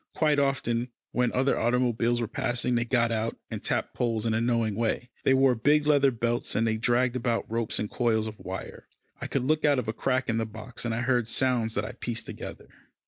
Quite often, when other automobiles were passing, they got out, and tapped poles in a knowing way. They wore big leather belts, and they dragged about ropes and coils of wire. I could look out of a crack in the box, and I heard sounds that I pieced together.